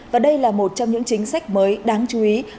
và đây là một trong những chính sách mới đáng chú ý